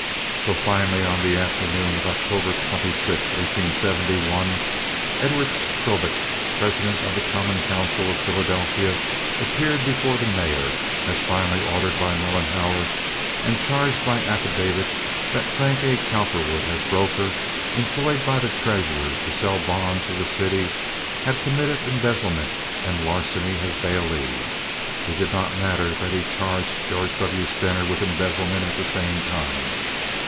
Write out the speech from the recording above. So finally, on the afternoon of October 26, 1871, Edward Strobik, president of the common council of Philadelphia, appeared before the mayor, as finally ordered by Mollenhauer, and charged by affidavit that Frank A. Cowperwood, as broker, employed by the treasurer to sell the bonds of the city, had committed embezzlement and larceny as bailee. It did not matter that he charged George W. Stener with embezzlement at the same time.